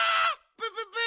プププ！